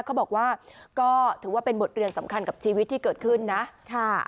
เขาบอกว่าก็ถือว่าเป็นบทเรียนสำคัญกับชีวิตที่เกิดขึ้นนะค่ะ